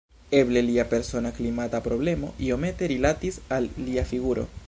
Eble lia persona klimata problemo iomete rilatis al lia figuro.